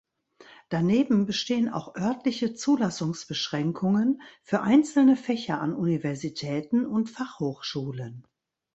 Daneben bestehen auch örtliche Zulassungsbeschränkungen für einzelne Fächer an Universitäten und Fachhochschulen.